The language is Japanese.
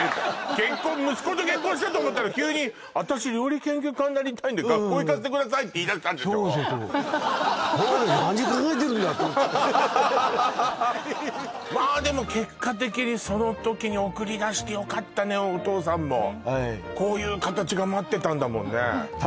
結婚息子と結婚したと思ったら急に私料理研究家になりたいんで学校行かせてくださいって言いだしたんでしょそうおっしゃったんですと思ってまあでも結果的にその時に送り出してよかったねお父さんもはいこういう形が待ってたんだもんね